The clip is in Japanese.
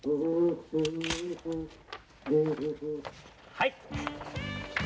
はい。